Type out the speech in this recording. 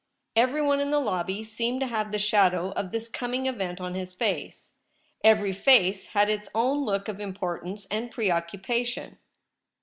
Every one in the lobby seemed to have the shadow of this coming event on his face : every face had its own look of importance and preoccu pation.